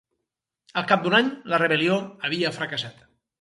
Al cap d'un any la rebel·lió havia fracassat.